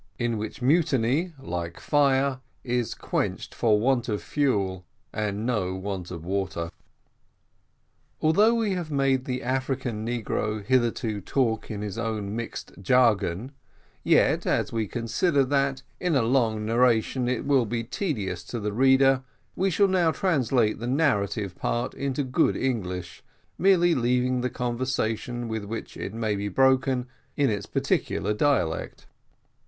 IN WHICH MUTINY, LIKE FIRE, IS QUENCHED FOR WANT OF FUEL AND NO WANT OF WATER. Although we have made the African negro hitherto talk in his own mixed jargon, yet, as we consider that, in a long narration, it will be tedious to the reader, we shall now translate the narrative part into good English, merely leaving the conversation with which it may be broken in its peculiar dialect.